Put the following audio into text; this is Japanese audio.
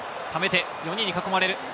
ためて、４人に囲まれる。